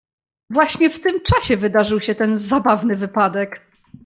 "Właśnie w tym czasie wydarzył się ten zabawny wypadek."